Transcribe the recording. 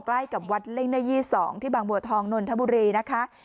ใกล้กับวัดเล่งหน้ายี่๒ที่บางบัวทองนนทบุรีนะคะ